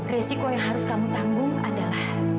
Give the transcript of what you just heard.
resiko yang harus kamu tanggung adalah